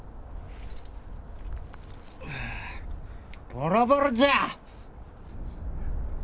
ボロボロじゃあ！